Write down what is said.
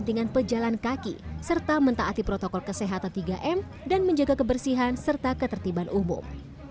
pemain skateboard juga mengatakan kepentingan pejalan kaki serta mentaati protokol kesehatan tiga m dan menjaga kebersihan serta ketertiban umum